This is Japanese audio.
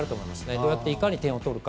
どうやって点を取るか。